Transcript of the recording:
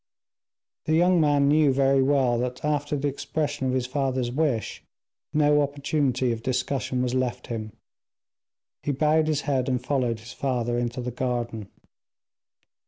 The young man knew very well, that, after the expression of his father's wish, no opportunity of discussion was left him. He bowed his head, and followed his father into the garden.